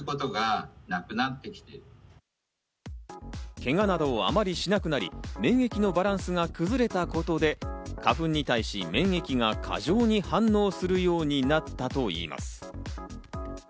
けがなどをあまりしなくなり、免疫のバランスが崩れたことで花粉に対し、免疫が過剰に反応するようになったといいます。